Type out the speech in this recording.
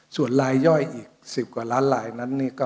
ส่วนลายย่อยอีก๑๐กว่าล้านลายนั้น